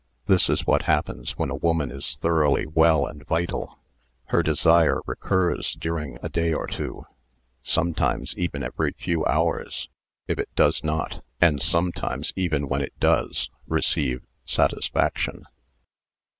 This is what happens when a Mutual Adjustment 43 woman is thoroughly well and vital; her desire recurs during a day or two, sometimes even every few hours if It does not, and sometimes even when it does, receive satisfaction.